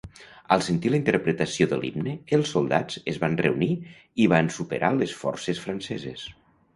Al sentir la interpretació de l'himne, els soldats es van reunir i van superar les forces franceses.